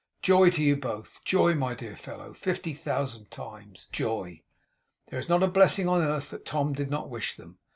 Joy to you both! Joy, my dear fellow, fifty thousand times.' Joy! There is not a blessing on earth that Tom did not wish them.